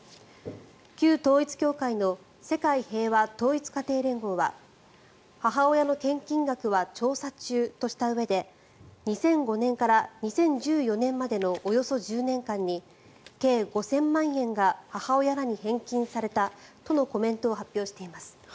旧統一教会の世界平和統一家庭連合は母親の献金額は調査中としたうえで２００５年から２０１４年までのおよそ１０年間に計５０００万円が母親らに返金されたとのコメントを発表しています。